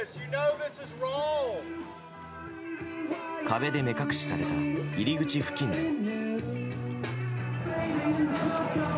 壁で目隠しされた入り口付近でも。